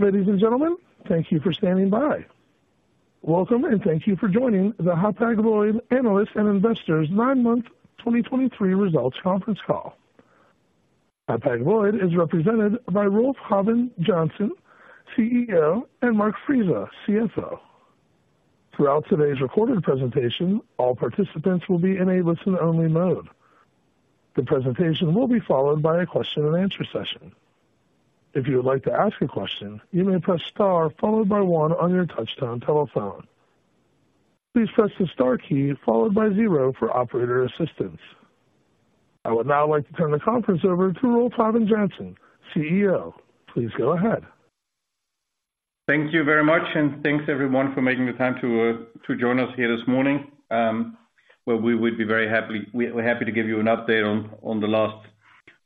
Ladies and gentlemen, thank you for standing by. Welcome, and thank you for joining the Hapag-Lloyd Analysts and Investors Nine-Month 2023 Results Conference Call. Hapag-Lloyd is represented by Rolf Habben Jansen, CEO, and Mark Frese, CFO. Throughout today's recorded presentation, all participants will be in a listen-only mode. The presentation will be followed by a question and answer session. If you would like to ask a question, you may press star followed by one on your touchtone telephone. Please press the star key followed by zero for operator assistance. I would now like to turn the conference over to Rolf Habben Jansen, CEO. Please go ahead. Thank you very much, and thanks everyone for making the time to join us here this morning. Well, we're happy to give you an update on the last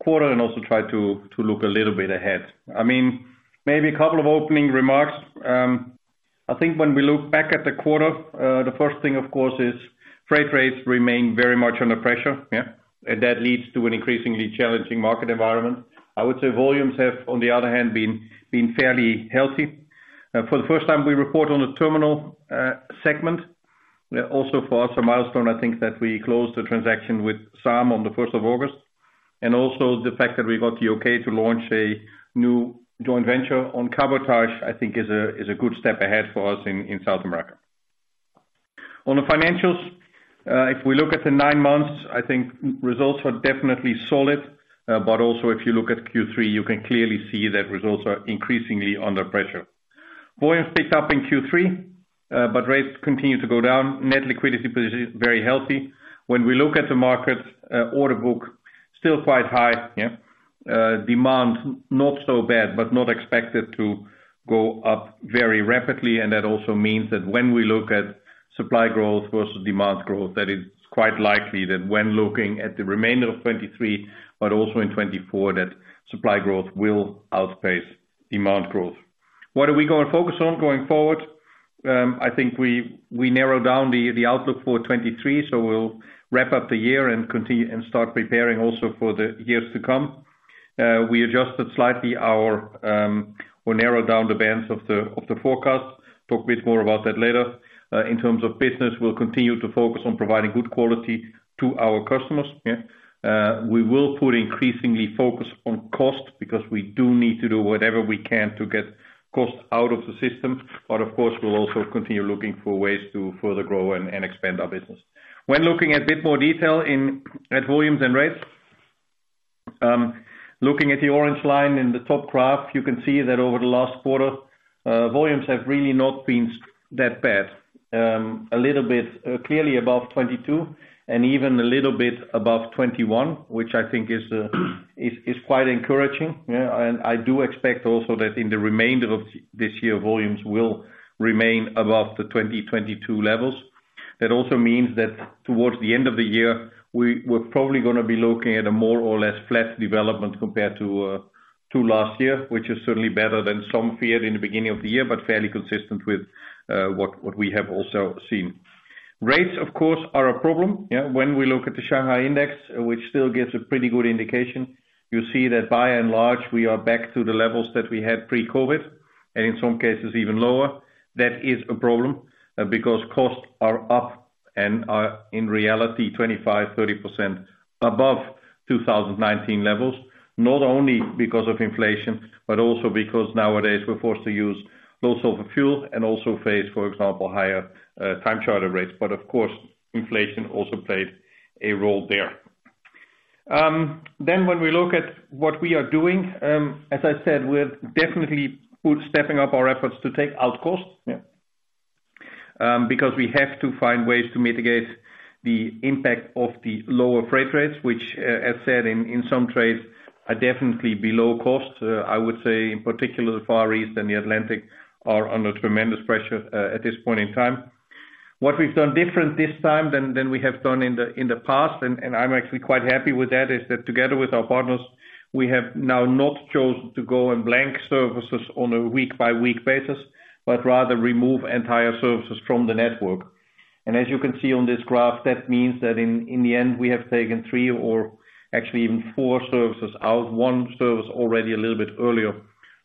quarter and also try to look a little bit ahead. I mean, maybe a couple of opening remarks. I think when we look back at the quarter, the first thing, of course, is freight rates remain very much under pressure, yeah, and that leads to an increasingly challenging market environment. I would say volumes have, on the other hand, been fairly healthy. For the first time, we report on a terminal segment. Also for us, a milestone, I think, that we closed the transaction with SAAM on the first of August, and also the fact that we got the okay to launch a new joint venture on cabotage, I think is a, is a good step ahead for us in, in South America. On the financials, if we look at the nine months, I think results are definitely solid, but also, if you look at Q3, you can clearly see that results are increasingly under pressure. Volumes picked up in Q3, but rates continued to go down. Net liquidity position, very healthy. When we look at the market, order book, still quite high, yeah. Demand, not so bad, but not expected to go up very rapidly, and that also means that when we look at supply growth versus demand growth, that it's quite likely that when looking at the remainder of 2023, but also in 2024, that supply growth will outpace demand growth. What are we going to focus on going forward? I think we narrowed down the outlook for 2023, so we'll wrap up the year and continue and start preparing also for the years to come. We adjusted slightly our or narrowed down the bands of the forecast. Talk a bit more about that later. In terms of business, we'll continue to focus on providing good quality to our customers, yeah. We will put increasingly focus on cost because we do need to do whatever we can to get costs out of the system. But of course, we'll also continue looking for ways to further grow and, and expand our business. When looking at a bit more detail in, at volumes and rates, looking at the orange line in the top graph, you can see that over the last quarter, volumes have really not been so that bad. A little bit, clearly above 2022 and even a little bit above 2021, which I think is, is quite encouraging. Yeah, and I do expect also that in the remainder of this year, volumes will remain above the 2022 levels. That also means that towards the end of the year, we're probably gonna be looking at a more or less flat development compared to last year, which is certainly better than some feared in the beginning of the year, but fairly consistent with what we have also seen. Rates, of course, are a problem, yeah. When we look at the Shanghai Index, which still gives a pretty good indication, you see that by and large, we are back to the levels that we had pre-COVID, and in some cases, even lower. That is a problem, because costs are up and are, in reality, 25, 30% above 2019 levels. Not only because of inflation, but also because nowadays, we're forced to use low sulfur fuel and also face, for example, higher time charter rates. But of course, inflation also played a role there. Then when we look at what we are doing, as I said, we're definitely stepping up our efforts to take out costs, yeah. Because we have to find ways to mitigate the impact of the lower freight rates, which, as said in some trades, are definitely below cost. I would say in particular, the Far East and the Atlantic are under tremendous pressure at this point in time. What we've done different this time than we have done in the past, and I'm actually quite happy with that, is that together with our partners, we have now not chosen to go on blank services on a week-by-week basis, but rather remove entire services from the network. As you can see on this graph, that means that in, in the end, we have taken three or actually even four services out. one service already a little bit earlier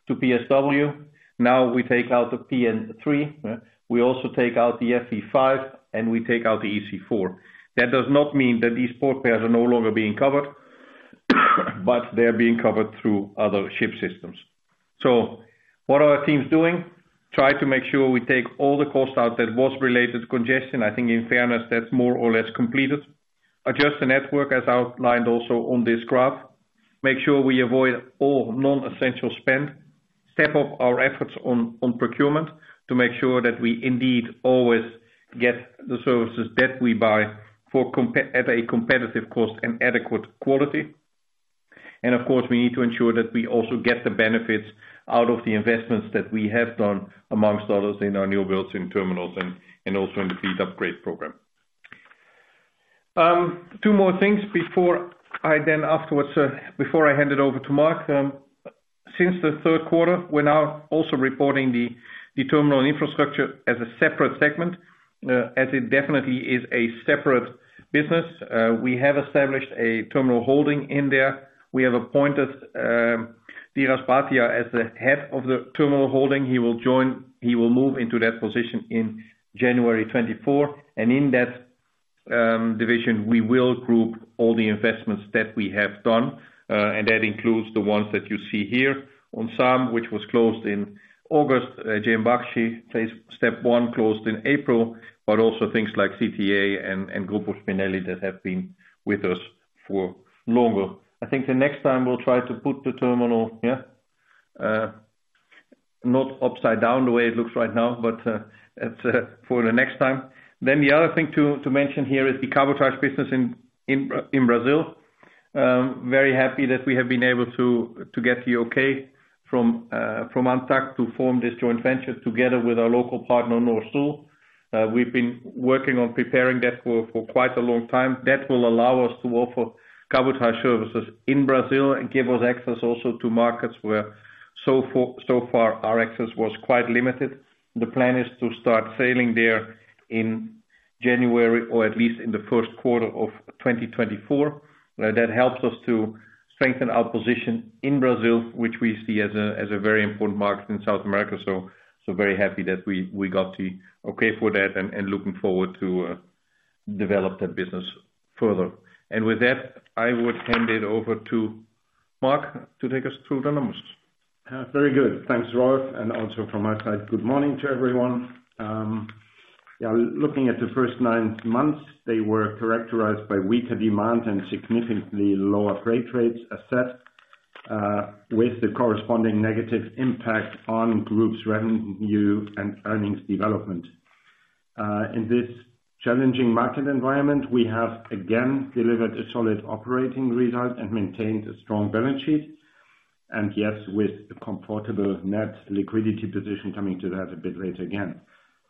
to PSW. Now, we take out the PN3, we also take out the FE5, and we take out the EC4. That does not mean that these port pairs are no longer being covered, but they're being covered through other ship systems. So what are our teams doing? Try to make sure we take all the costs out that was related to congestion. I think in fairness, that's more or less completed. Adjust the network as outlined also on this graph. Make sure we avoid all non-essential spend. Step up our efforts on, on procurement to make sure that we indeed always get the services that we buy for competitive at a competitive cost and adequate quality. And of course, we need to ensure that we also get the benefits out of the investments that we have done, amongst others, in our new builds and terminals and also in the fleet upgrade program. Two more things before I then afterwards before I hand it over to Mark. Since the third quarter, we're now also reporting the terminal infrastructure as a separate segment, as it definitely is a separate business. We have established a terminal holding in there. We have appointed Dheeraj Bhatia as the head of the terminal holding. He will move into that position in January 2024, and in that division, we will group all the investments that we have done, and that includes the ones that you see here on SM SAAM, which was closed in August. J.M. Baxi phase step one closed in April, but also things like CTA and Spinelli Group that have been with us for longer. I think the next time we'll try to put the terminal, yeah, not upside down the way it looks right now, but it's for the next time. Then the other thing to mention here is the cabotage business in Brazil. Very happy that we have been able to get the okay from ANTAQ to form this joint venture together with our local partner, Norsul. We've been working on preparing that for quite a long time. That will allow us to offer cabotage services in Brazil and give us access also to markets where so far our access was quite limited. The plan is to start sailing there in January, or at least in the first quarter of 2024. That helps us to strengthen our position in Brazil, which we see as a, as a very important market in South America. So, so very happy that we, we got the okay for that and, and looking forward to develop that business further. And with that, I would hand it over to Mark to take us through the numbers. Very good. Thanks, Rolf, and also from my side, good morning to everyone. Yeah, looking at the first nine months, they were characterized by weaker demand and significantly lower freight rates as it, with the corresponding negative impact on group's revenue and earnings development. In this challenging market environment, we have again delivered a solid operating result and maintained a strong balance sheet, and yes, with a comfortable net liquidity position coming to that a bit later again.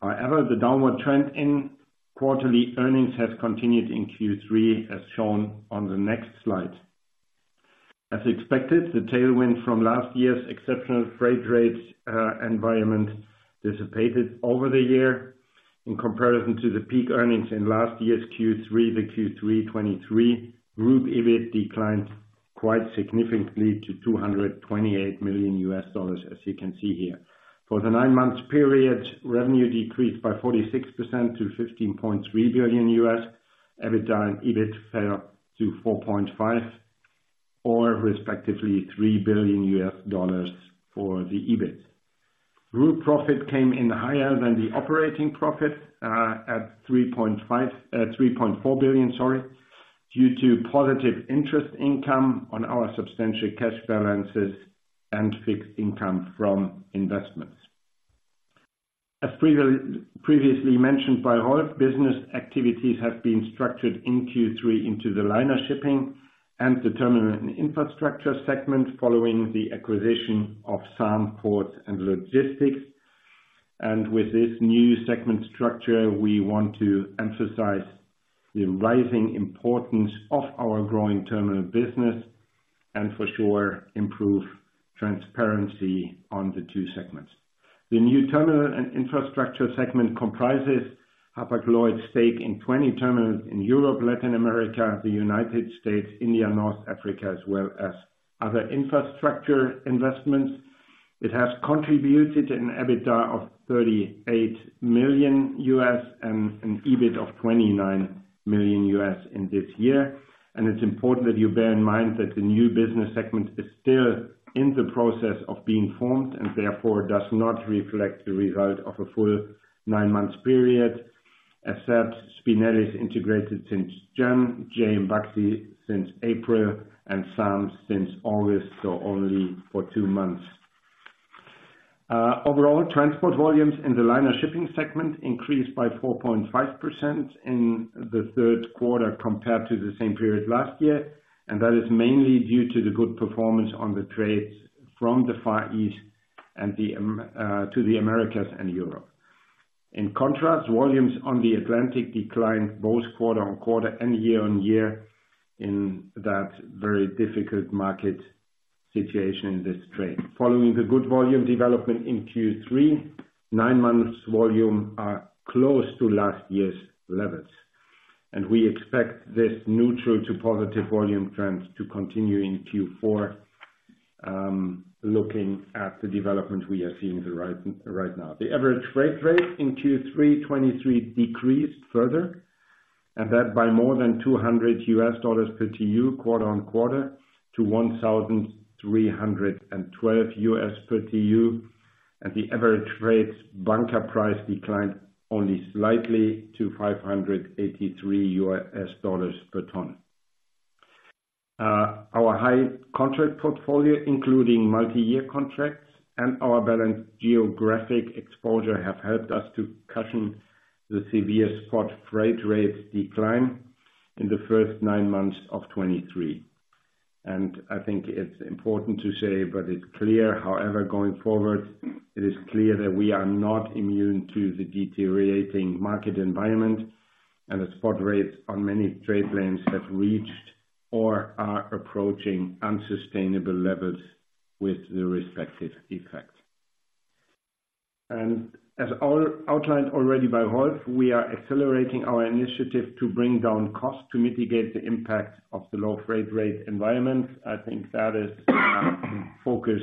However, the downward trend in quarterly earnings has continued in Q3, as shown on the next slide. As expected, the tailwind from last year's exceptional freight rates environment dissipated over the year. In comparison to the peak earnings in last year's Q3, the Q3 2023 group EBIT declined quite significantly to $228 million, as you can see here. For the nine-month period, revenue decreased by 46% to $15.3 billion. EBITDA and EBIT fell to 4.5 billion, or respectively, 3 billion U.S. dollars for the EBIT. Group profit came in higher than the operating profit at 3.4 billion, sorry, due to positive interest income on our substantial cash balances and fixed income from investments. As previously mentioned by Rolf, business activities have been structured in Q3 into the liner shipping and the terminal infrastructure segment, following the acquisition of some ports and logistics. With this new segment structure, we want to emphasize the rising importance of our growing terminal business, and for sure, improve transparency on the two segments. The new terminal and infrastructure segment comprises Hapag-Lloyd's stake in 20 terminals in Europe, Latin America, the United States, India, North Africa, as well as other infrastructure investments. It has contributed an EBITDA of $38 million and an EBIT of $29 million in this year. It's important that you bear in mind that the new business segment is still in the process of being formed, and therefore does not reflect the result of a full nine-month period. Except Spinelli is integrated since January, J.M. Baxi since April, and some since August, so only for two months. Overall, transport volumes in the liner shipping segment increased by 4.5% in the third quarter compared to the same period last year, and that is mainly due to the good performance on the trades from the Far East to the Americas and Europe. In contrast, volumes on the Atlantic declined both quarter-on-quarter and year-on-year in that very difficult market situation in this trade. Following the good volume development in Q3, nine months volume are close to last year's levels, and we expect this neutral to positive volume trend to continue in Q4, looking at the development we are seeing right now. The average freight rate in Q3 2023 decreased further, and that by more than $200 per TEU, quarter-on-quarter, to $1,312 per TEU, and the average freight bunker price declined only slightly to $583 per ton. Our high contract portfolio, including multi-year contracts and our balanced geographic exposure, have helped us to cushion the severe spot freight rates decline in the first nine months of 2023. I think it's important to say, but it's clear, however, going forward, it is clear that we are not immune to the deteriorating market environment, and the spot rates on many trade lanes have reached or are approaching unsustainable levels with the respective effects. As outlined already by Rolf, we are accelerating our initiative to bring down costs to mitigate the impact of the low freight rate environment. I think that is our focus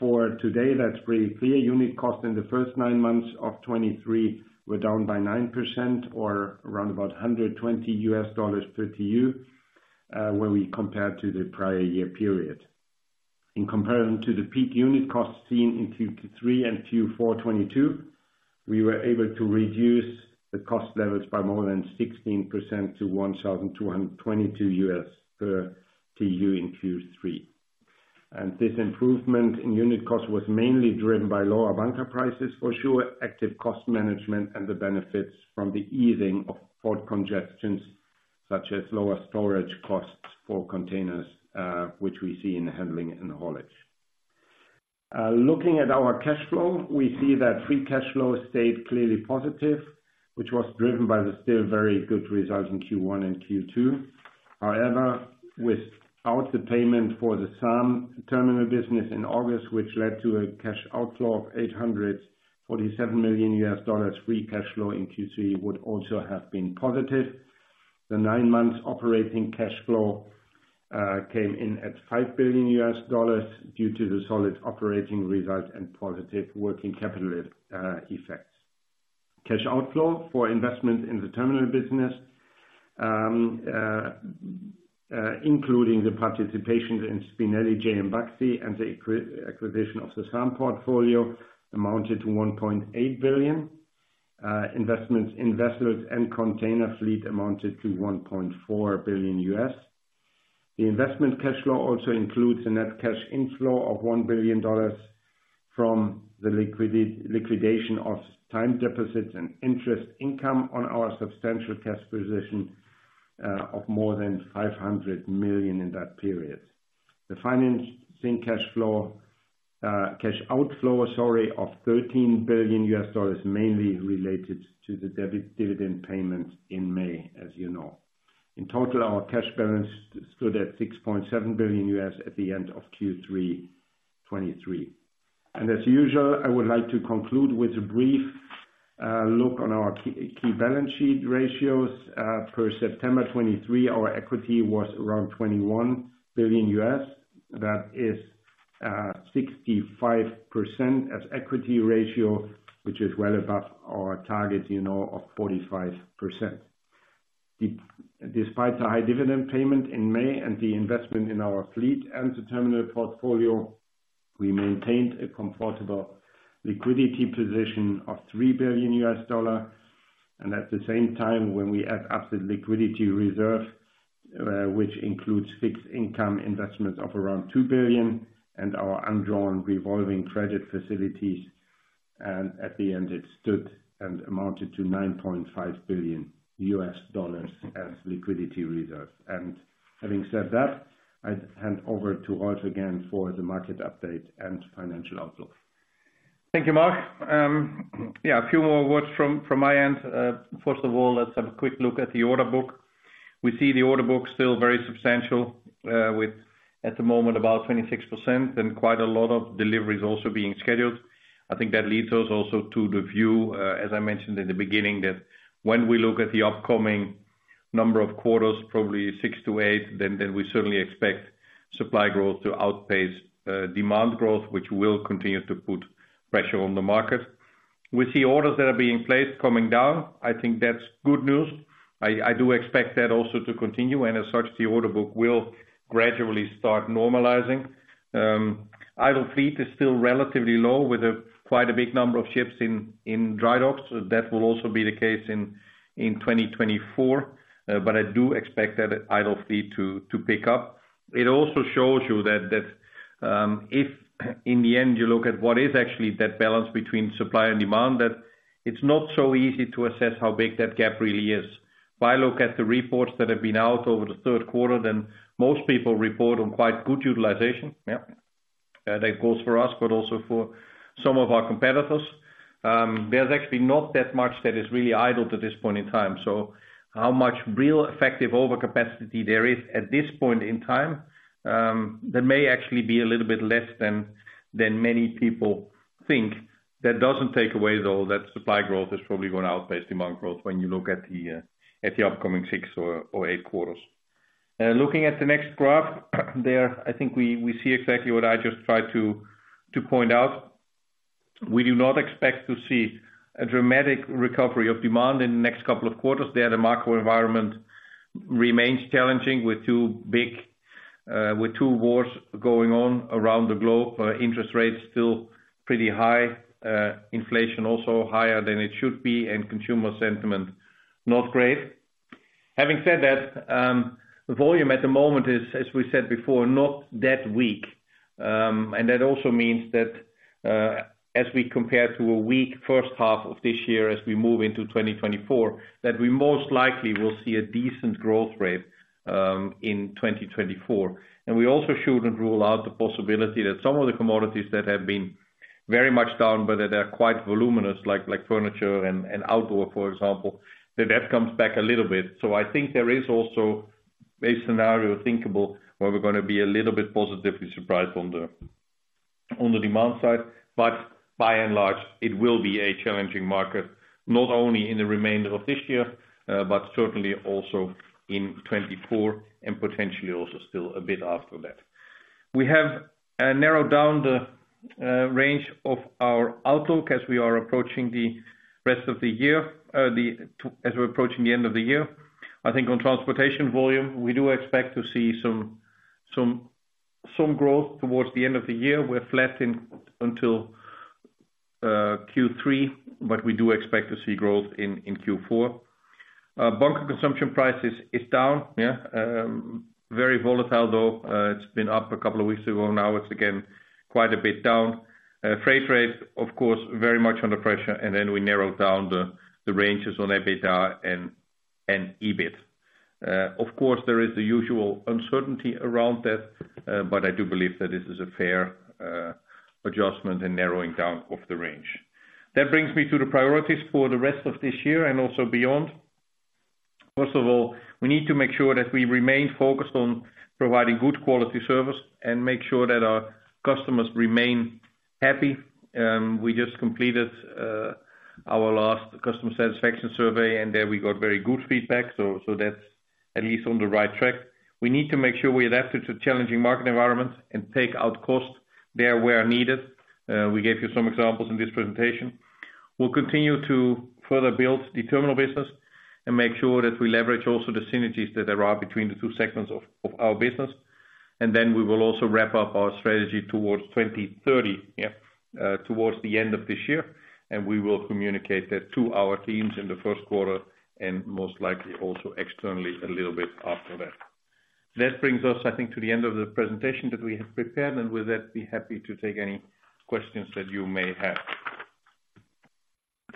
for today. That's pretty clear. Unit costs in the first nine months of 2023 were down by 9% or around about $120 per TEU when we compare to the prior year period. In comparison to the peak unit costs seen in Q3 and Q4 2022, we were able to reduce the cost levels by more than 16% to $1,222 per TEU in Q3. This improvement in unit cost was mainly driven by lower bunker prices for sure, active cost management, and the benefits from the easing of port congestions, such as lower storage costs for containers, which we see in handling and haulage. Looking at our cash flow, we see that free cash flow stayed clearly positive, which was driven by the still very good results in Q1 and Q2. However, without the payment for the SAAM terminal business in August, which led to a cash outflow of $847 million, free cash flow in Q3 would also have been positive. The nine months operating cash flow came in at $5 billion due to the solid operating result and positive working capital effects. Cash outflow for investment in the terminal business, including the participation in Spinelli, J.M. Baxi, and the acquisition of the SAAM portfolio, amounted to $1.8 billion. Investments in vessels and container fleet amounted to $1.4 billion. The investment cash flow also includes a net cash inflow of $1 billion from the liquidation of time deposits and interest income on our substantial cash position of more than $500 million in that period. The financing cash flow, cash outflow, sorry, of $13 billion, mainly related to the dividend payment in May, as you know. In total, our cash balance stood at $6.7 billion at the end of Q3 2023. As usual, I would like to conclude with a brief look on our key, key balance sheet ratios. Per September 2023, our equity was around $21 billion. That is, 65% as equity ratio, which is well above our target, you know, of 45%. Despite the high dividend payment in May and the investment in our fleet and the terminal portfolio, we maintained a comfortable liquidity position of $3 billion. At the same time, when we add up the liquidity reserve, which includes fixed income investments of around $2 billion and our undrawn revolving credit facilities, and at the end, it stood and amounted to $9.5 billion as liquidity reserve. Having said that, I hand over to Rolf again for the market update and financial outlook. Thank you, Mark. Yeah, a few more words from, from my end. First of all, let's have a quick look at the order book. We see the order book still very substantial, with, at the moment, about 26% and quite a lot of deliveries also being scheduled. I think that leads us also to the view, as I mentioned in the beginning, that when we look at the upcoming number of quarters, probably six-eight, then, then we certainly expect supply growth to outpace, demand growth, which will continue to put pressure on the market. We see orders that are being placed coming down. I think that's good news. I, I do expect that also to continue, and as such, the order book will gradually start normalizing. Idle fleet is still relatively low, with quite a big number of ships in dry docks. That will also be the case in 2024. But I do expect that idle fleet to pick up. It also shows you that if in the end you look at what is actually that balance between supply and demand, that it's not so easy to assess how big that gap really is. If I look at the reports that have been out over the third quarter, then most people report on quite good utilization. Yeah. That goes for us, but also for some of our competitors. There's actually not that much that is really idle at this point in time, so how much real effective overcapacity there is at this point in time, there may actually be a little bit less than many people think. That doesn't take away, though, that supply growth is probably going to outpace demand growth when you look at the at the upcoming six or eight quarters. Looking at the next graph, there, I think we see exactly what I just tried to point out. We do not expect to see a dramatic recovery of demand in the next couple of quarters. The macro environment remains challenging, with two big wars going on around the globe, interest rates still pretty high, inflation also higher than it should be, and consumer sentiment not great. Having said that, the volume at the moment is, as we said before, not that weak. And that also means that, as we compare to a weak first half of this year, as we move into 2024, that we most likely will see a decent growth rate, in 2024. And we also shouldn't rule out the possibility that some of the commodities that have been very much down, but that are quite voluminous, like furniture and outdoor, for example, that comes back a little bit. So I think there is also a scenario thinkable, where we're gonna be a little bit positively surprised on the demand side. But by and large, it will be a challenging market, not only in the remainder of this year, but certainly also in 2024, and potentially also still a bit after that. We have narrowed down the range of our outlook as we are approaching the rest of the year, as we're approaching the end of the year. I think on transportation volume, we do expect to see some growth towards the end of the year. We're flat in until Q3, but we do expect to see growth in Q4. Bunker consumption prices is down, yeah. Very volatile, though. It's been up a couple of weeks ago, now it's again, quite a bit down. Freight rates, of course, very much under pressure, and then we narrowed down the ranges on EBITDA and EBIT. Of course, there is the usual uncertainty around that, but I do believe that this is a fair adjustment and narrowing down of the range. That brings me to the priorities for the rest of this year and also beyond. First of all, we need to make sure that we remain focused on providing good quality service and make sure that our customers remain happy. We just completed our last customer satisfaction survey, and there we got very good feedback, so that's at least on the right track. We need to make sure we adapt to the challenging market environment and take out costs there where needed. We gave you some examples in this presentation. We'll continue to further build the terminal business and make sure that we leverage also the synergies that there are between the two segments of our business. And then we will also wrap up our strategy towards 2030, yeah, towards the end of this year, and we will communicate that to our teams in the first quarter and most likely also externally, a little bit after that. That brings us, I think, to the end of the presentation that we have prepared, and with that, be happy to take any questions that you may have.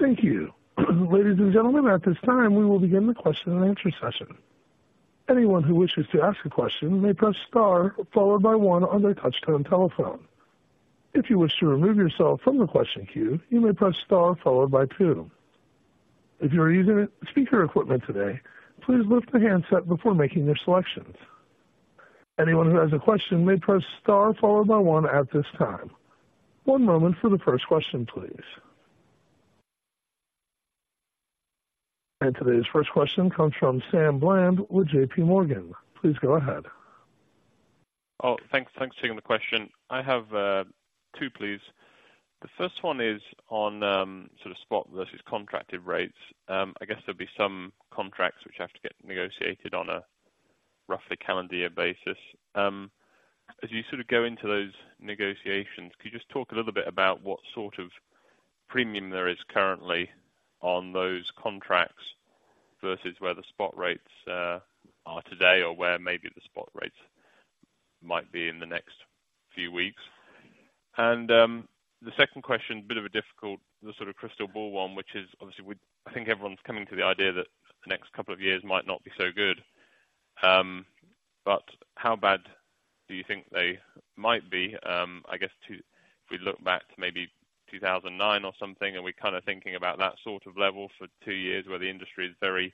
Thank you. Ladies and gentlemen, at this time, we will begin the question and answer session. Anyone who wishes to ask a question may press star followed by one on their touchtone telephone. If you wish to remove yourself from the question queue, you may press star followed by two. If you're using speaker equipment today, please lift the handset before making your selections. Anyone who has a question may press star followed by one at this time. One moment for the first question, please. Today's first question comes from Sam Bland with JP Morgan. Please go ahead. Oh, thanks. Thanks for taking the question. I have, two, please. The first one is on, sort of spot versus contracted rates. I guess there'll be some contracts which have to get negotiated on a roughly calendar year basis. As you sort of go into those negotiations, could you just talk a little bit about what sort of premium there is currently on those contracts, versus where the spot rates, are today, or where maybe the spot rates might be in the next few weeks? And, the second question, a bit of a difficult, the sort of crystal ball one, which is obviously, we, I think everyone's coming to the idea that the next couple of years might not be so good. But how bad do you think they might be? I guess, to. If we look back to maybe 2009 or something, are we kind of thinking about that sort of level for two years, where the industry is very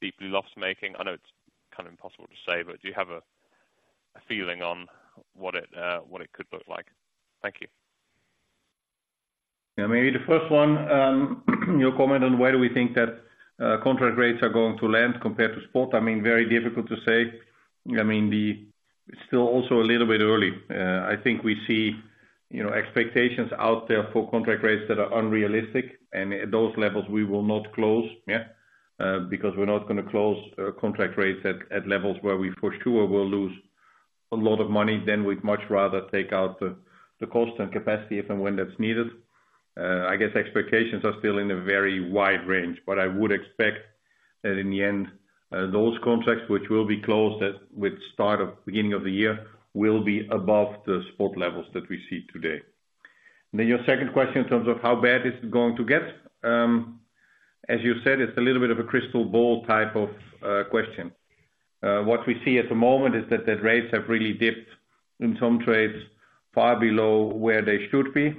deeply loss-making? I know it's kind of impossible to say, but do you have a feeling on what it could look like? Thank you. Yeah, maybe the first one, your comment on where do we think that contract rates are going to land compared to spot? I mean, very difficult to say. I mean, it's still also a little bit early. I think we see, you know, expectations out there for contract rates that are unrealistic, and at those levels we will not close, yeah. Because we're not gonna close contract rates at levels where we, for sure, will lose a lot of money. Then we'd much rather take out the cost and capacity if and when that's needed. I guess expectations are still in a very wide range, but I would expect that in the end, those contracts, which will be closed at, with start of beginning of the year, will be above the spot levels that we see today. Then your second question, in terms of how bad is it going to get? As you said, it's a little bit of a crystal ball type of question. What we see at the moment is that the rates have really dipped in some trades, far below where they should be.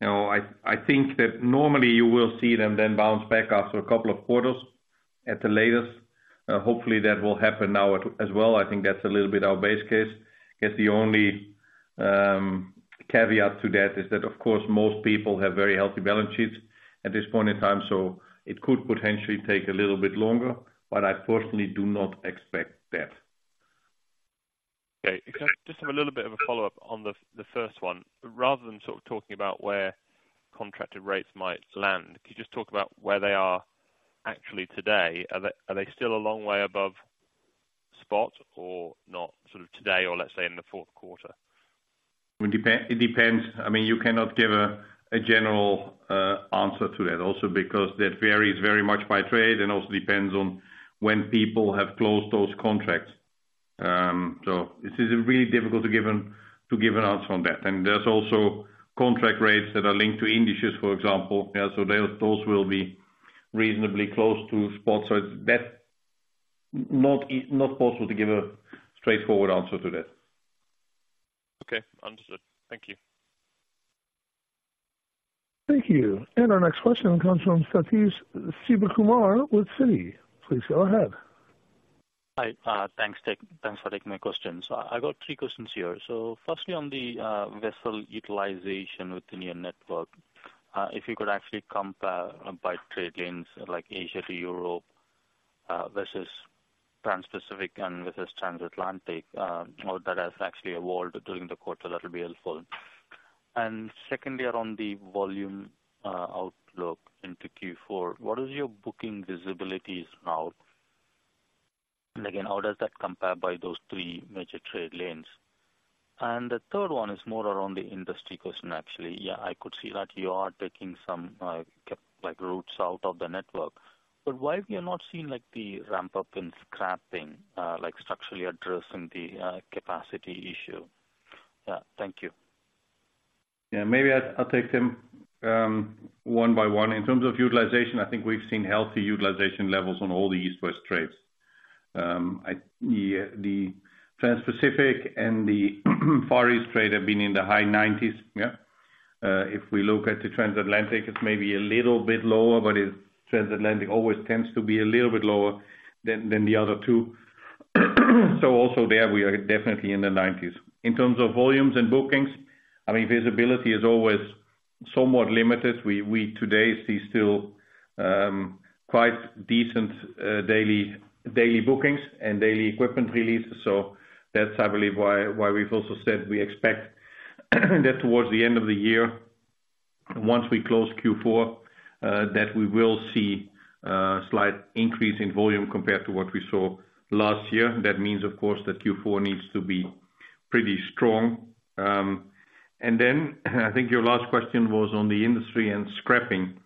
Now, I think that normally you will see them then bounce back after a couple of quarters, at the latest. Hopefully that will happen now as well. I think that's a little bit our base case. I guess, the only caveat to that is that, of course, most people have very healthy balance sheets at this point in time, so it could potentially take a little bit longer, but I personally do not expect that. Okay, can I just have a little bit of a follow-up on the first one? Rather than sort of talking about where contracted rates might land, could you just talk about where they are actually today? Are they still a long way above spot or not, sort of today or let's say in the fourth quarter? Well, it depends. I mean, you cannot give a general answer to that. Also, because that varies very much by trade and also depends on when people have closed those contracts. So this is really difficult to give an answer on that. And there's also contract rates that are linked to indices, for example. Yeah, so they, those will be reasonably close to spot rate. That's not even possible to give a straightforward answer to that. Okay, understood. Thank you. Thank you. Our next question comes from Sathish Sivakumar with Citi. Please go ahead. Hi, thanks, Tech. Thanks for taking my question. So I got three questions here. So firstly, on the vessel utilization within your network, if you could actually compare by trade lanes like Asia to Europe versus Transpacific and versus Transatlantic, or that has actually evolved during the quarter, that'll be helpful. And secondly, on the volume outlook into Q4, what is your booking visibilities now? And again, how does that compare by those three major trade lanes? And the third one is more around the industry question, actually. Yeah, I could see that you are taking some like routes out of the network. But why we are not seeing like the ramp up in scrapping like structurally addressing the capacity issue? Yeah, thank you. Yeah, maybe I'll take them one by one. In terms of utilization, I think we've seen healthy utilization levels on all the East-West trades. The Transpacific and the Far East trade have been in the high 90s%, yeah. If we look at the Transatlantic, it's maybe a little bit lower, but Transatlantic always tends to be a little bit lower than the other two. So also there we are definitely in the 90%s. In terms of volumes and bookings, I mean, visibility is always somewhat limited. We today see still quite decent daily bookings and daily equipment releases. So that's, I believe, why we've also said we expect that towards the end of the year, once we close Q4, that we will see slight increase in volume compared to what we saw last year. That means, of course, that Q4 needs to be pretty strong. And then, I think your last question was on the industry and scrapping.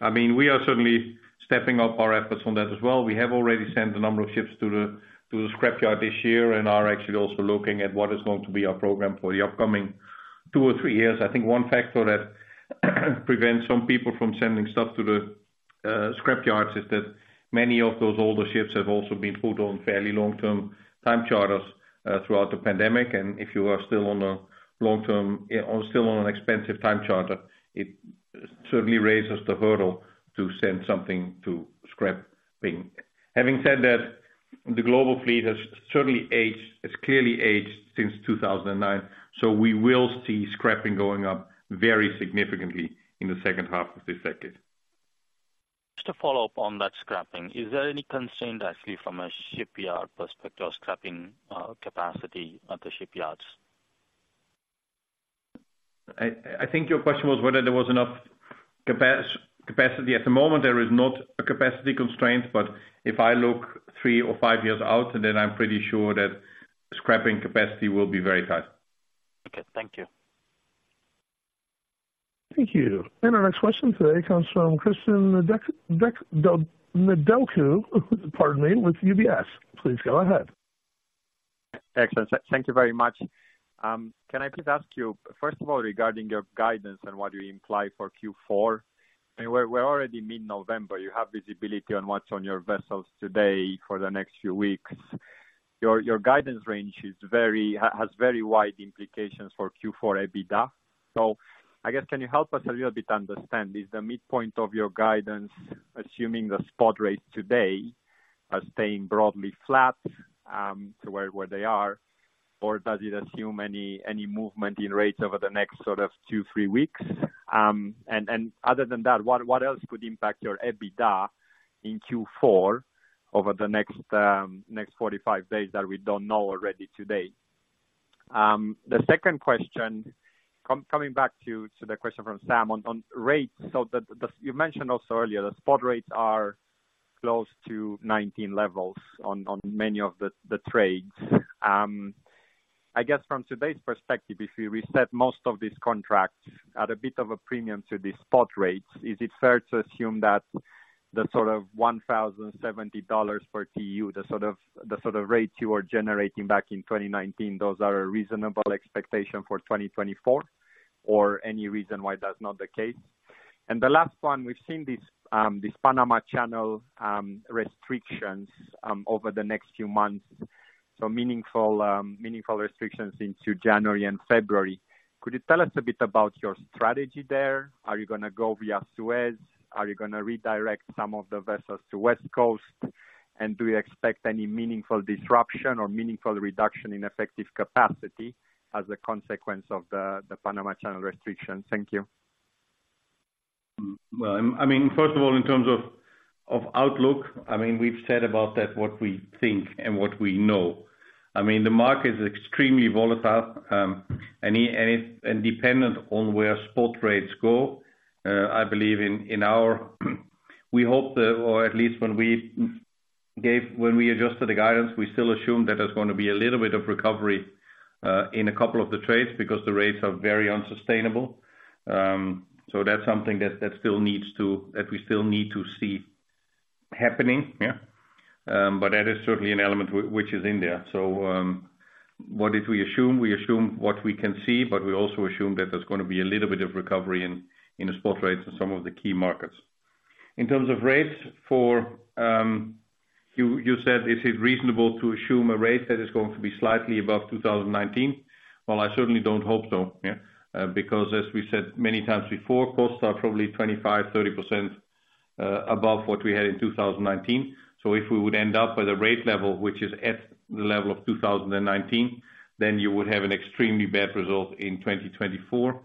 I mean, we are certainly stepping up our efforts on that as well. We have already sent a number of ships to the scrapyard this year, and are actually also looking at what is going to be our program for the upcoming two or three years. I think one factor that prevents some people from sending stuff to the scrapyards is that many of those older ships have also been put on fairly long-term time charters throughout the pandemic. And if you are still on a long-term or still on an expensive time charter, it certainly raises the hurdle to send something to scrapping. Having said that, the global fleet has certainly aged, has clearly aged since 2009, so we will see scrapping going up very significantly in the second half of this decade. Just to follow up on that scrapping, is there any concern, actually, from a shipyard perspective of scrapping, capacity at the shipyards? I think your question was whether there was enough capacity. At the moment, there is not a capacity constraint, but if I look three or five years out, then I'm pretty sure that scrapping capacity will be very tight. Okay. Thank you. Thank you. And our next question today comes from Cristian Nedelcu, pardon me, with UBS. Please go ahead. Excellent. Thank you very much. Can I please ask you, first of all, regarding your guidance and what you imply for Q4, I mean, we're already mid-November. You have visibility on what's on your vessels today for the next few weeks. Your guidance range is very, has very wide implications for Q4 EBITDA. So I guess, can you help us a little bit understand, is the midpoint of your guidance, assuming the spot rates today, are staying broadly flat to where they are? Or does it assume any movement in rates over the next sort of two, three weeks? And other than that, what else could impact your EBITDA in Q4 over the next 45 days that we don't know already today? The second question, coming back to the question from Sam on rates. So the you mentioned also earlier that spot rates are close to 19 levels on many of the trades. I guess from today's perspective, if we reset most of these contracts at a bit of a premium to the spot rates, is it fair to assume that the sort of $1,070 per TEU, the sort of rates you were generating back in 2019, those are a reasonable expectation for 2024, or any reason why that's not the case? And the last one, we've seen these Panama Canal restrictions over the next few months. So meaningful restrictions into January and February. Could you tell us a bit about your strategy there? Are you gonna go via Suez? Are you gonna redirect some of the vessels to West Coast? And do you expect any meaningful disruption or meaningful reduction in effective capacity as a consequence of the Panama Canal restriction? Thank you. Well, I mean, first of all, in terms of outlook, I mean, we've said about that, what we think and what we know. I mean, the market is extremely volatile, and it's dependent on where spot rates go. I believe, or at least when we adjusted the guidance, we still assumed that there's gonna be a little bit of recovery in a couple of the trades because the rates are very unsustainable. So that's something that we still need to see happening, yeah. But that is certainly an element which is in there. So, what did we assume? We assume what we can see, but we also assume that there's gonna be a little bit of recovery in the spot rates in some of the key markets. In terms of rates for you, you said is it reasonable to assume a rate that is going to be slightly above 2019? Well, I certainly don't hope so, yeah. Because as we said many times before, costs are probably 25%-30% above what we had in 2019. So if we would end up with a rate level, which is at the level of 2019, then you would have an extremely bad result in 2024.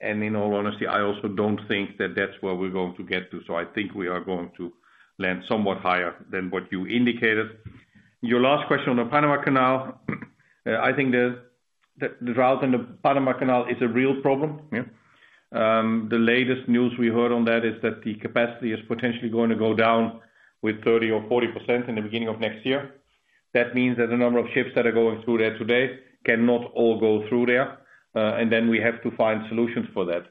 And in all honesty, I also don't think that that's where we're going to get to. So I think we are going to land somewhat higher than what you indicated. Your last question on the Panama Canal, I think the drought in the Panama Canal is a real problem, yeah. The latest news we heard on that is that the capacity is potentially going to go down with 30% or 40% in the beginning of next year. That means that the number of ships that are going through there today cannot all go through there, and then we have to find solutions for that.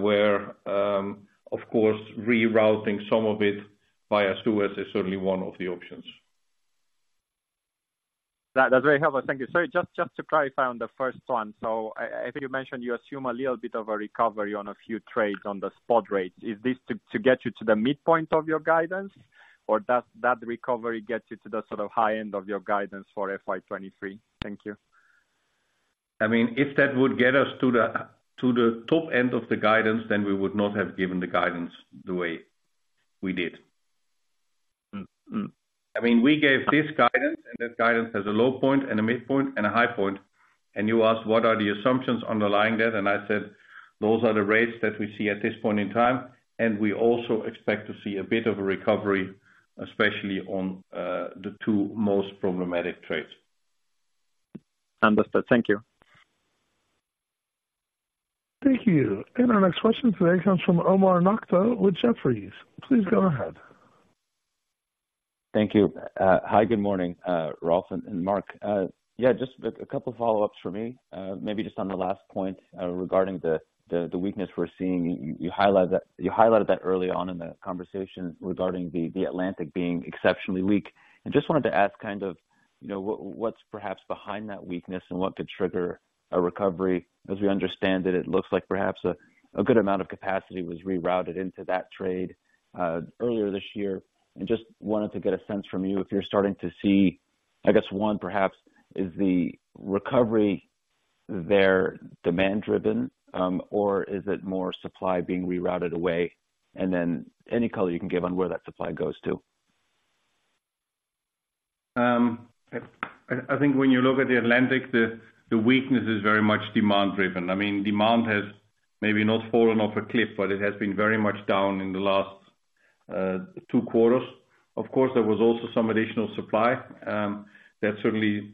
Where, of course, rerouting some of it via Suez is certainly one of the options. That's very helpful. Thank you. Sorry, just to clarify on the first one. So I think you mentioned you assume a little bit of a recovery on a few trades on the spot rates. Is this to get you to the midpoint of your guidance, or does that recovery get you to the sort of high end of your guidance for FY 2023? Thank you. I mean, if that would get us to the top end of the guidance, then we would not have given the guidance the way we did. Mm-hmm. I mean, we gave this guidance, and this guidance has a low point and a midpoint and a high point, and you asked: What are the assumptions underlying that? And I said, "Those are the rates that we see at this point in time, and we also expect to see a bit of a recovery, especially on the two most problematic trades. Understood. Thank you. Thank you. Our next question today comes from Omar Nokta with Jefferies. Please go ahead. Thank you. Hi, good morning, Rolf and Mark. Yeah, just a couple of follow-ups for me. Maybe just on the last point, regarding the weakness we're seeing. You highlighted that early on in the conversation regarding the Atlantic being exceptionally weak. I just wanted to ask kind of, you know, what's perhaps behind that weakness and what could trigger a recovery? As we understand it, it looks like perhaps a good amount of capacity was rerouted into that trade earlier this year. And just wanted to get a sense from you if you're starting to see, I guess, one, perhaps, is the recovery there demand driven, or is it more supply being rerouted away? And then any color you can give on where that supply goes to. I think when you look at the Atlantic, the weakness is very much demand driven. I mean, demand has maybe not fallen off a cliff, but it has been very much down in the last two quarters. Of course, there was also some additional supply that certainly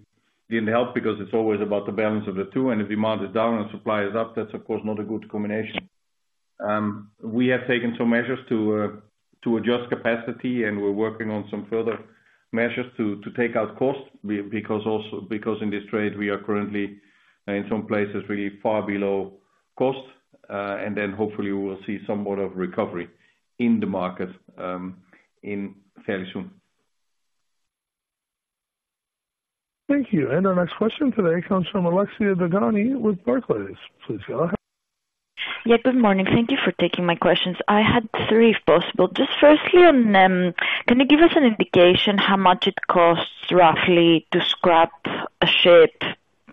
didn't help because it's always about the balance of the two, and if demand is down and supply is up, that's of course not a good combination. We have taken some measures to adjust capacity, and we're working on some further measures to take out costs because also, because in this trade, we are currently, in some places, really far below cost. And then hopefully we will see somewhat of recovery in the market in fairly soon. Thank you. Our next question today comes from Alexia Dogani with Barclays. Please go ahead. Yeah, good morning. Thank you for taking my questions. I had three, if possible. Just firstly on, can you give us an indication how much it costs roughly to scrap a ship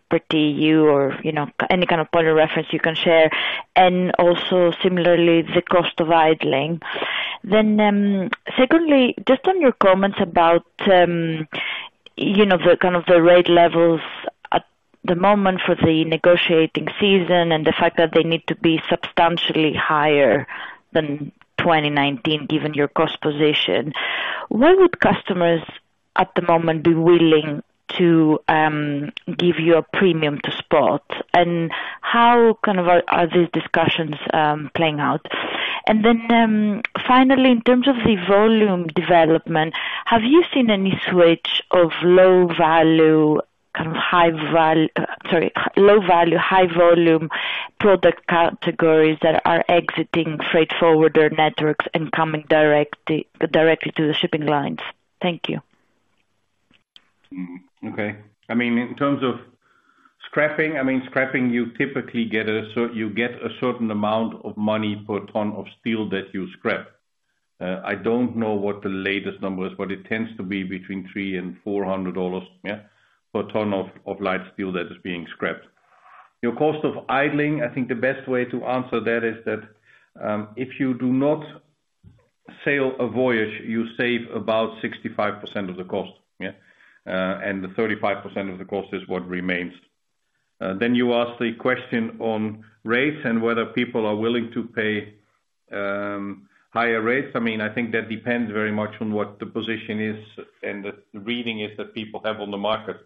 per TEU or, you know, any kind of point of reference you can share, and also similarly, the cost of idling? Then, secondly, just on your comments about, you know, the kind of the rate levels at the moment for the negotiating season and the fact that they need to be substantially higher than 2019, given your cost position, where would customers at the moment be willing to give you a premium to spot? And how kind of are these discussions playing out? And then, finally, in terms of the volume development, have you seen any switch of low value, kind of high val. Sorry, low value, high volume product categories that are exiting freight forwarder networks and coming directly, directly to the shipping lines? Thank you. Okay. I mean, in terms of scrapping, I mean, scrapping, you typically get a certain amount of money per ton of steel that you scrap. I don't know what the latest number is, but it tends to be between $300-$400, yeah, per ton of light steel that is being scrapped. Your cost of idling, I think the best way to answer that is that if you do not sail a voyage, you save about 65% of the cost, yeah. And the 35% of the cost is what remains. Then you ask the question on rates and whether people are willing to pay higher rates. I mean, I think that depends very much on what the position is, and the reading is that people have on the market.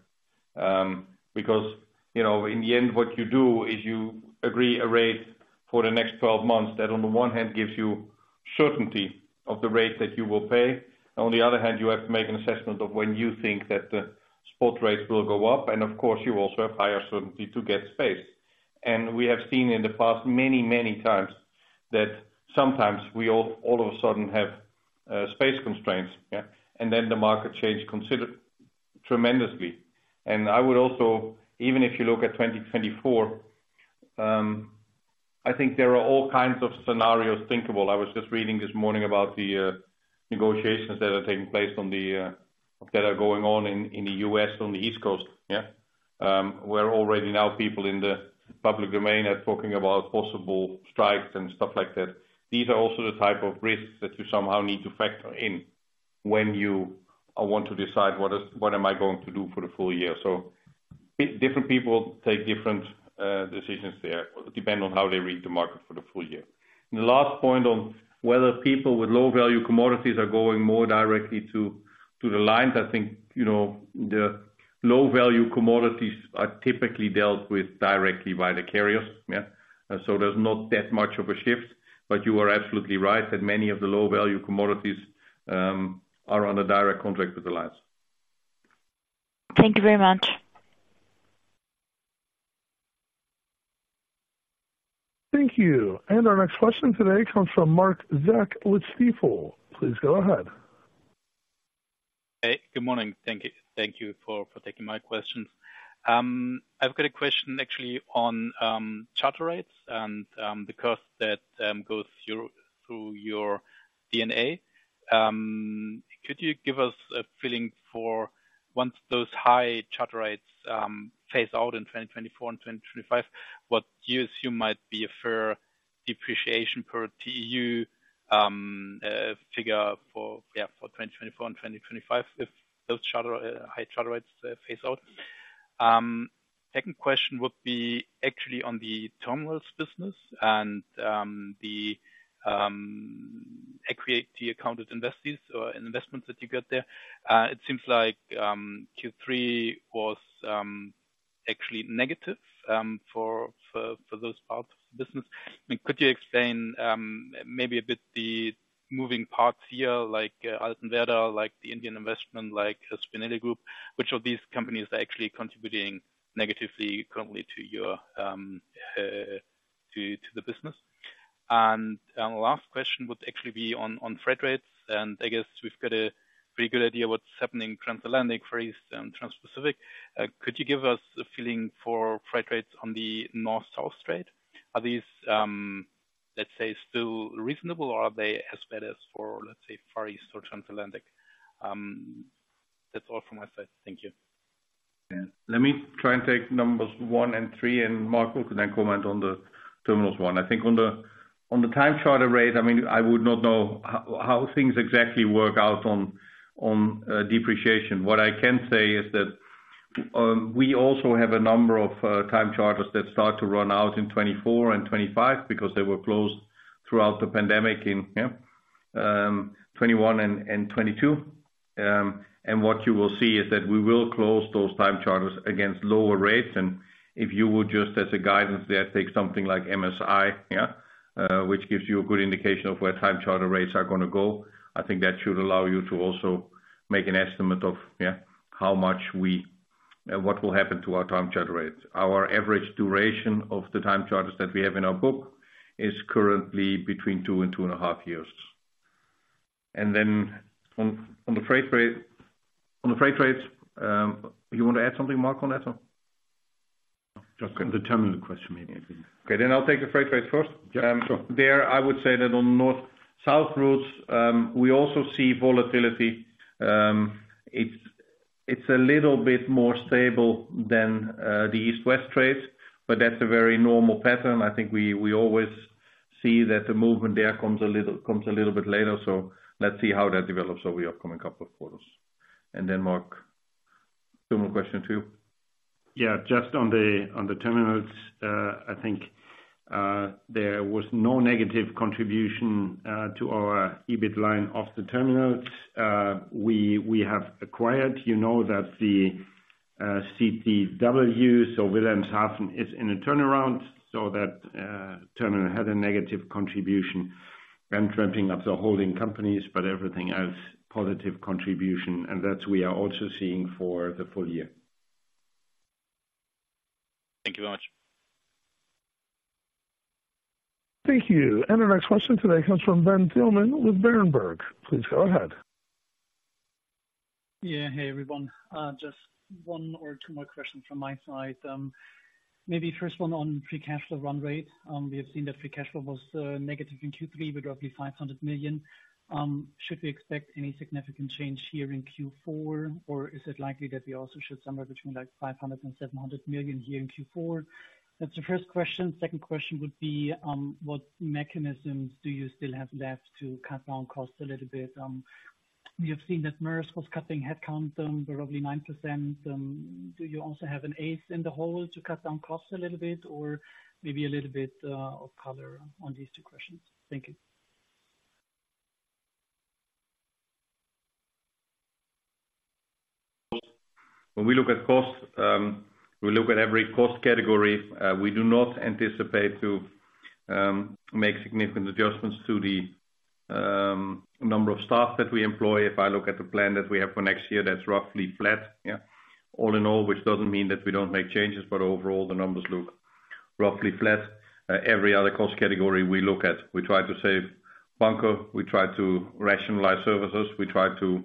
Because, you know, in the end, what you do is you agree a rate for the next 12 months, that on the one hand, gives you certainty of the rate that you will pay. On the other hand, you have to make an assessment of when you think that the spot rate will go up, and of course, you also have higher certainty to get space. And we have seen in the past many, many times that sometimes we all, all of a sudden have space constraints, yeah? And then the market change considered tremendously. And I would also, even if you look at 2024, I think there are all kinds of scenarios thinkable. I was just reading this morning about the negotiations that are taking place on the that are going on in the U.S. on the East Coast, yeah? Where already now people in the public domain are talking about possible strikes and stuff like that. These are also the type of risks that you somehow need to factor in when you want to decide what is, what am I going to do for the full year. So different people take different decisions there, depending on how they read the market for the full year. And the last point on whether people with low-value commodities are going more directly to the lines, I think, you know, the low-value commodities are typically dealt with directly by the carriers, yeah? And so there's not that much of a shift, but you are absolutely right that many of the low-value commodities are on a direct contract with the alliance. Thank you very much. Thank you. Our next question today comes from Marc Zeck with Stifel. Please go ahead. Hey, good morning. Thank you, thank you for taking my questions. I've got a question actually on charter rates and because that goes through your D&A. Could you give us a feeling for once those high charter rates phase out in 2024 and 2025, what years you might be a fair depreciation per TEU figure for, yeah, for 2024 and 2025, if those charter high charter rates phase out? Second question would be actually on the terminals business and the equity accounted investees or investments that you got there. It seems like Q3 was actually negative for those parts of the business. I mean, could you explain, maybe a bit the moving parts here, like, Altenwerder, like the Indian investment, like Spinelli Group, which of these companies are actually contributing negatively currently to your, to the business? And, and the last question would actually be on, on freight rates, and I guess we've got a pretty good idea what's happening Transatlantic, Far East, and Transpacific. Could you give us a feeling for freight rates on the North-South trade? Are these, let's say, still reasonable, or are they as bad as for, let's say, Far East or Transatlantic? That's all from my side. Thank you. Yeah. Let me try and take numbers one and three, and Mark will then comment on the terminals 1. I think on the, on the time charter rate, I mean, I would not know how things exactly work out on, on, depreciation. What I can say is that, we also have a number of, time charters that start to run out in 2024 and 2025 because they were closed throughout the pandemic in 2021 and 2022. And what you will see is that we will close those time charters against lower rates, and if you would just as a guidance there, take something like MSI, which gives you a good indication of where time charter rates are gonna go. I think that should allow you to also make an estimate of, how much we. What will happen to our time charter rates? Our average duration of the time charters that we have in our book is currently between two and 2.5 years. And then on, on the freight rate, on the freight rates, you want to add something, Mark, on that at all? Just on the terminal question, maybe, I think. Okay, then I'll take the freight rate first. Yeah, sure. There, I would say that on North-South routes, we also see volatility. It's a little bit more stable than the East-West trades, but that's a very normal pattern. I think we always see that the movement there comes a little, comes a little bit later, so let's see how that develops over the upcoming couple of quarters. And then, Mark, terminal question to you. Yeah, just on the, on the terminals, I think there was no negative contribution to our EBIT line of the terminal. We, we have acquired, you know, that the CTW, so Wilhelmshaven, is in a turnaround, so that terminal had a negative contribution and ramping up the holding companies, but everything else, positive contribution, and that we are also seeing for the full year. Thank you very much. Thank you. Our next question today comes from Ben Thielmann with Berenberg. Please go ahead. Yeah. Hey, everyone. Just one or two more questions from my side. Maybe first one on free cash flow run rate. We have seen that free cash flow was negative in Q3 with roughly $500 million. Should we expect any significant change here in Q4, or is it likely that we also show somewhere between, like, $500 million and $700 million here in Q4? That's the first question. Second question would be, what mechanisms do you still have left to cut down costs a little bit? We have seen that Maersk was cutting headcount, probably 9%. Do you also have an ace in the hole to cut down costs a little bit? Or maybe a little bit of color on these two questions. Thank you. When we look at costs, we look at every cost category, we do not anticipate to make significant adjustments to the number of staff that we employ. If I look at the plan that we have for next year, that's roughly flat, yeah. All in all, which doesn't mean that we don't make changes, but overall, the numbers look roughly flat. Every other cost category we look at, we try to save bunker, we try to rationalize services, we try to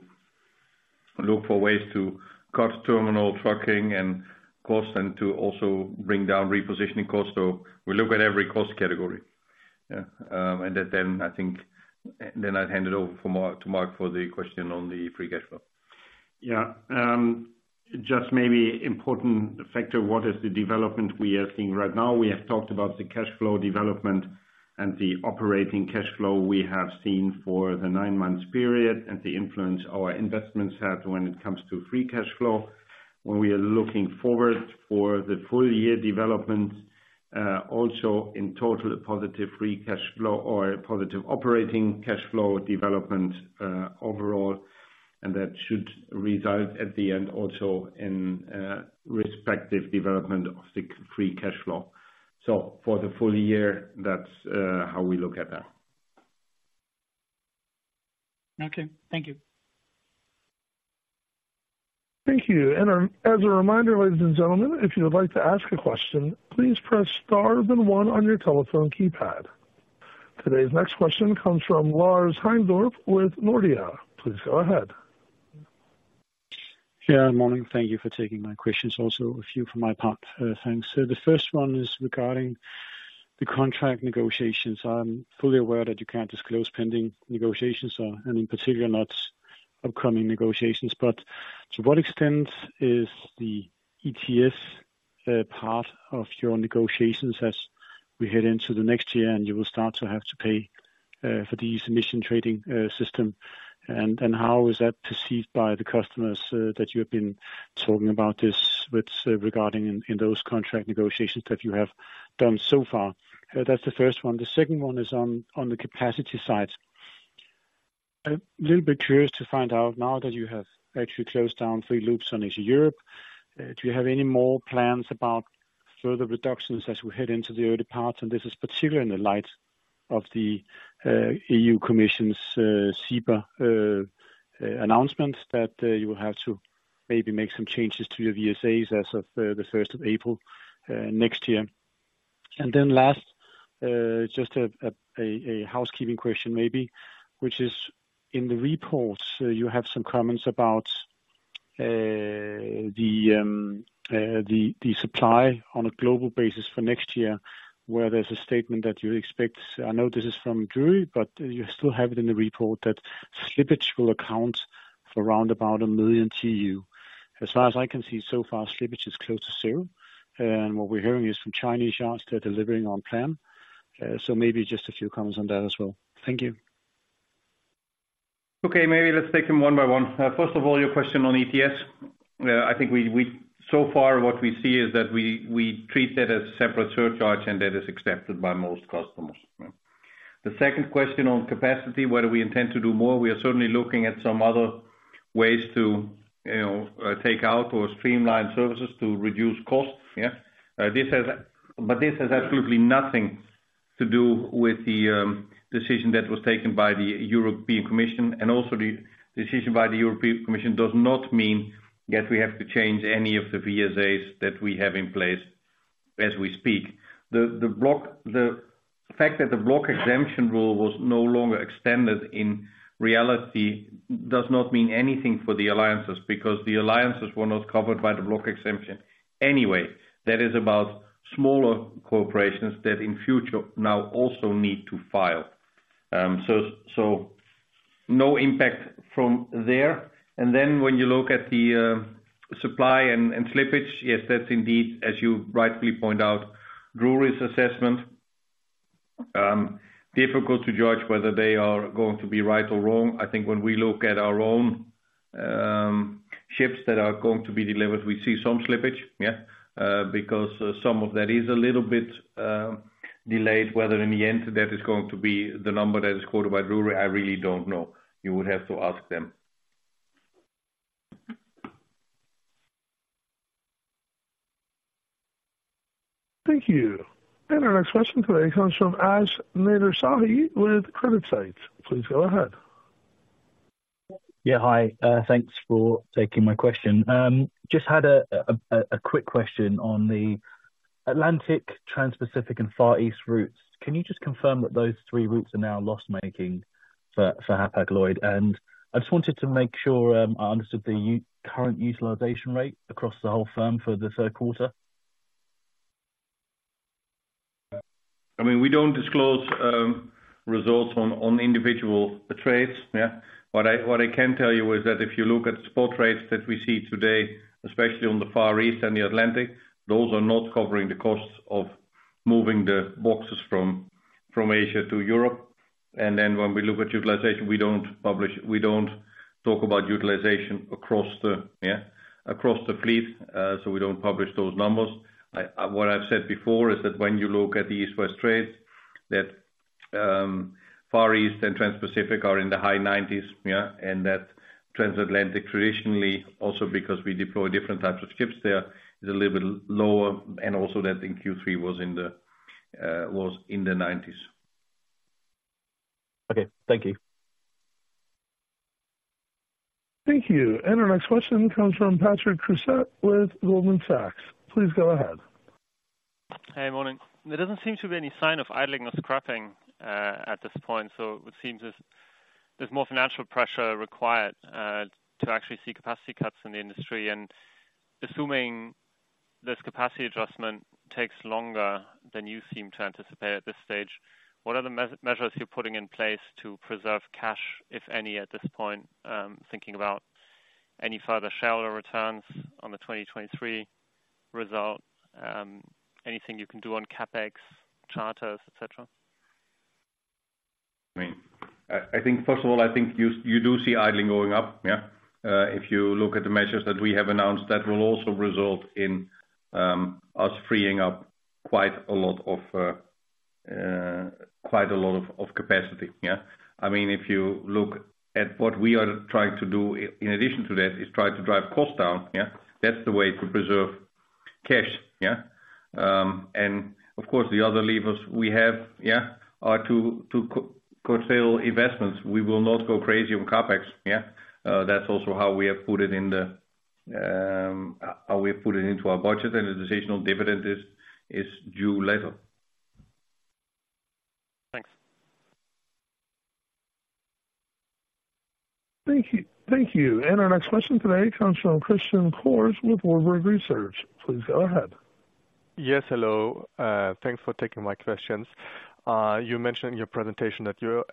look for ways to cut terminal trucking and costs, and to also bring down repositioning costs. So we look at every cost category. Yeah, and that then I think, then I'd hand it over for Mark, to Mark for the question on the free cash flow. Yeah, just maybe important factor, what is the development we are seeing right now? We have talked about the cash flow development and the operating cash flow we have seen for the nine-month period, and the influence our investments had when it comes to free cash flow. When we are looking forward for the full year development, also in total, a positive free cash flow or a positive operating cash flow development, overall, and that should result at the end also in respective development of the free cash flow. So for the full year, that's how we look at that. Okay, thank you. Thank you. And as a reminder, ladies and gentlemen, if you would like to ask a question, please press star then one on your telephone keypad. Today's next question comes from Lars Heindorff with Nordea. Please go ahead. Yeah, morning. Thank you for taking my questions, also a few from my part. Thanks. So the first one is regarding the contract negotiations. I'm fully aware that you can't disclose pending negotiations, and in particular, not upcoming negotiations. But to what extent is the ETS part of your negotiations as we head into the next year, and you will start to have to pay for the emission trading system? And how is that perceived by the customers that you have been talking about this with regarding in those contract negotiations that you have done so far? That's the first one. The second one is on the capacity side. I'm a little bit curious to find out now that you have actually closed down three loops on East Europe, do you have any more plans about further reductions as we head into the early parts? And this is particularly in the light of the EU Commission's CIPA announcement that you will have to maybe make some changes to your VSAs as of the first of April next year. And then last, just a housekeeping question maybe, which is: In the reports, you have some comments about the supply on a global basis for next year, where there's a statement that you expect. I know this is from Drewry, but you still have it in the report, that slippage will account for around about 1 million TEU. As far as I can see, so far, slippage is close to zero, and what we're hearing is from Chinese yards, they're delivering on plan. So maybe just a few comments on that as well. Thank you. Okay, maybe let's take them one by one. First of all, your question on ETS. I think so far, what we see is that we treat that as separate surcharge, and that is accepted by most customers. The second question on capacity, whether we intend to do more, we are certainly looking at some other ways to, you know, take out or streamline services to reduce costs, yeah. But this has absolutely nothing to do with the decision that was taken by the European Commission, and also the decision by the European Commission does not mean that we have to change any of the VSAs that we have in place as we speak. The fact that the Block exemption rule was no longer extended in reality does not mean anything for the alliances, because the alliances were not covered by the Block exemption anyway. That is about smaller corporations that in future now also need to file. So no impact from there. And then when you look at the supply and slippage, yes, that's indeed, as you rightly point out, Drewry's assessment. Difficult to judge whether they are going to be right or wrong. I think when we look at our own ships that are going to be delivered, we see some slippage because some of that is a little bit delayed. Whether in the end that is going to be the number that is quoted by Drewry, I really don't know. You would have to ask them. Thank you. Our next question today comes from Ash Nersesyan with CreditSights. Please go ahead. Yeah, hi. Thanks for taking my question. Just had a quick question on the Atlantic, Transpacific, and Far East routes. Can you just confirm that those three routes are now loss-making for Hapag-Lloyd? And I just wanted to make sure I understood the current utilization rate across the whole firm for the third quarter. I mean, we don't disclose results on individual trades, yeah? What I can tell you is that if you look at spot rates that we see today, especially on the Far East and the Atlantic, those are not covering the costs of moving the boxes from Asia to Europe. And then when we look at utilization, we don't publish, we don't talk about utilization across the fleet, yeah, so we don't publish those numbers. What I've said before is that when you look at the East-West trades, Far East and Transpacific are in the high 90%s, yeah, and that Transatlantic traditionally, also because we deploy different types of ships there, is a little bit lower, and also that in Q3 was in the 90s. Okay, thank you. Thank you. Our next question comes from Patrick Creuset with Goldman Sachs. Please go ahead. Hey, morning. There doesn't seem to be any sign of idling or scrapping at this point, so it seems as there's more financial pressure required to actually see capacity cuts in the industry. And assuming this capacity adjustment takes longer than you seem to anticipate at this stage, what are the measures you're putting in place to preserve cash, if any, at this point? Thinking about any further shareholder returns on the 2023 result, anything you can do on CapEx, charters, et cetera? I mean, I think, first of all, I think you do see idling going up, yeah. If you look at the measures that we have announced, that will also result in us freeing up quite a lot of capacity, yeah? I mean, if you look at what we are trying to do, in addition to that, is try to drive costs down, yeah, that's the way to preserve cash, yeah. And of course, the other levers we have, yeah, are to curtail investments. We will not go crazy on CapEx, yeah? That's also how we have put it in the how we put it into our budget, and the discretionary dividend is due later. Thanks. Thank you, thank you. Our next question today comes from Christian Cohrs with Warburg Research. Please go ahead. Yes, hello. Thanks for taking my questions. You mentioned in your presentation that you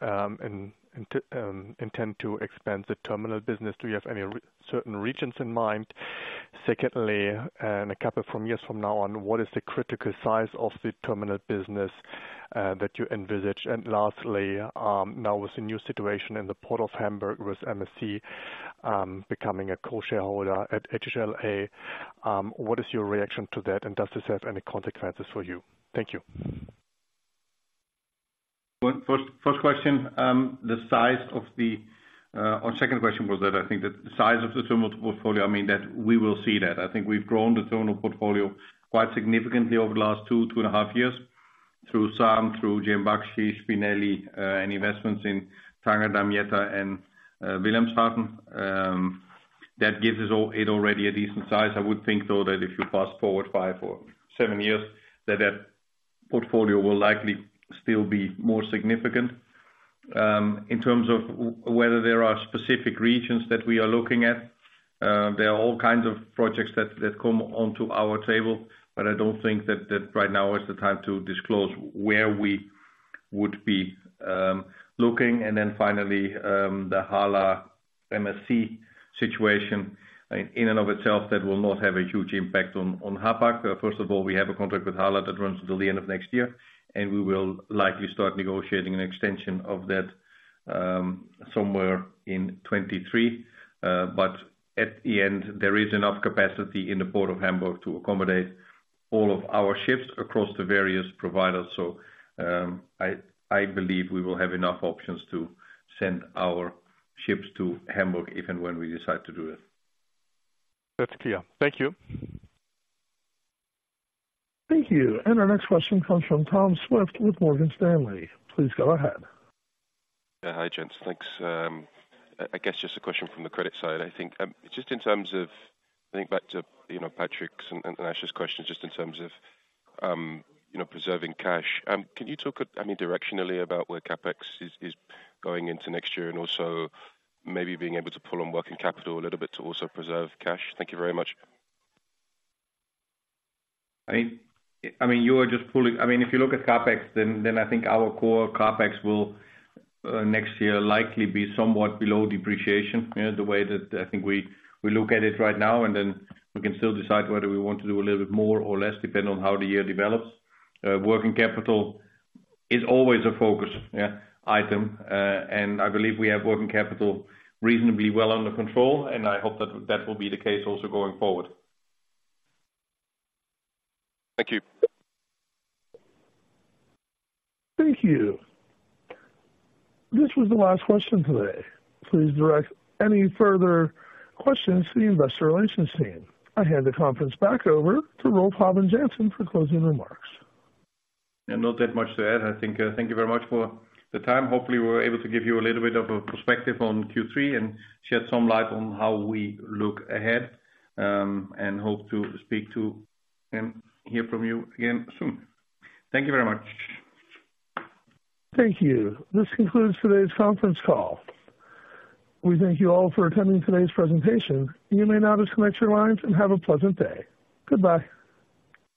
intend to expand the terminal business. Do you have any certain regions in mind? Secondly, in a couple from years from now on, what is the critical size of the terminal business that you envisage? And lastly, now with the new situation in the port of Hamburg, with MSC becoming a co-shareholder at HHLA, what is your reaction to that, and does this have any consequences for you? Thank you. Well, first, first question, the size of the, Or second question was that, I think, the size of the terminal portfolio. I mean, that we will see that. I think we've grown the terminal portfolio quite significantly over the last two, two and a half years, through SAAM, through J.M. Baxi, Spinelli, and investments in Tangier, Damietta and, Wilhelmshaven. That gives us already a decent size. I would think, though, that if you fast-forward five or seven years, that that portfolio will likely still be more significant. In terms of whether there are specific regions that we are looking at, there are all kinds of projects that, that come onto our table, but I don't think that, that right now is the time to disclose where we would be, looking. And then finally, the HHLA MSC situation, in and of itself, that will not have a huge impact on Hapag. First of all, we have a contract with HHLA that runs until the end of next year, and we will likely start negotiating an extension of that, somewhere in 2023. But at the end, there is enough capacity in the port of Hamburg to accommodate all of our ships across the various providers. So, I believe we will have enough options to send our ships to Hamburg if and when we decide to do it. That's clear. Thank you. Thank you. Our next question comes from Tom Swift with Morgan Stanley. Please go ahead. Yeah. Hi, gents. Thanks. I guess just a question from the credit side. I think, just in terms of, I think back to, you know, Patrick's and Ash's questions, just in terms of, you know, preserving cash. Can you talk, I mean, directionally about where CapEx is going into next year, and also maybe being able to pull on working capital a little bit to also preserve cash? Thank you very much. I mean, you are just pulling. I mean, if you look at CapEx, then I think our core CapEx will next year likely be somewhat below depreciation, yeah, the way that I think we look at it right now, and then we can still decide whether we want to do a little bit more or less, depending on how the year develops. Working capital is always a focus, yeah, item. And I believe we have working capital reasonably well under control, and I hope that will be the case also going forward. Thank you. Thank you. This was the last question today. Please direct any further questions to the investor relations team. I hand the conference back over to Rolf Habben Jansen for closing remarks. Yeah, not that much to add. I think, thank you very much for the time. Hopefully, we were able to give you a little bit of a perspective on Q3 and shed some light on how we look ahead, and hope to speak to and hear from you again soon. Thank you very much. Thank you. This concludes today's conference call. We thank you all for attending today's presentation. You may now disconnect your lines and have a pleasant day. Goodbye.